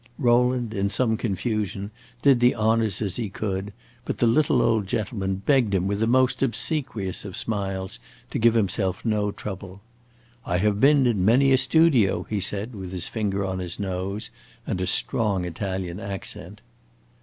Rowland in some confusion, did the honors as he could, but the little old gentleman begged him with the most obsequious of smiles to give himself no trouble. "I have been in many a studio!" he said, with his finger on his nose and a strong Italian accent.